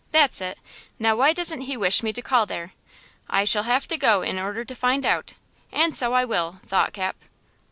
That's it! Now why doesn't he wish me to call there? I shall have to go in order to find out, and so I will," thought Cap.